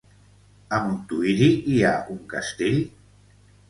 A Montuïri hi ha un castell?